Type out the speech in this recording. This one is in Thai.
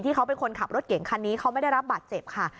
เขาเป็นคนขับรถเก่งคันนี้เขาไม่ได้รับบาดเจ็บค่ะ